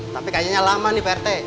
tapi kayaknya lama nih pak rt